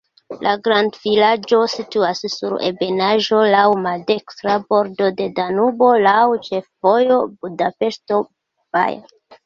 La grandvilaĝo situas sur ebenaĵo, laŭ maldekstra bordo de Danubo, laŭ ĉefvojo Budapeŝto-Baja.